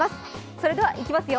それではいきますよ。